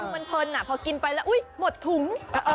มันเพลินอ่ะพอกินไปแล้วอุ้ยหมดถุง